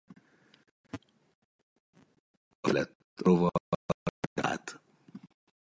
A kifejlett rovar telel át.